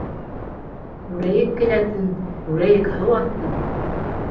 — Күрәйек келәтен, күрәйек һыу аҫтын!